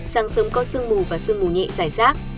sáng sớm có sương mù và sương mù nhẹ giải rác